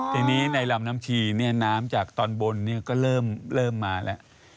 ทีนี้ในลำน้ำชีเนี่ยน้ำจากตอนบนก็เริ่มมาแล้ว